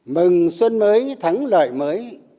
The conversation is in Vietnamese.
mừng xuân mới thắng lợi mới